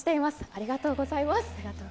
ありがとうございます。